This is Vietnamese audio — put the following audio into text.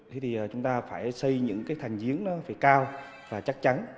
thế thì chúng ta phải xây những cái thành giếng nó phải cao và chắc chắn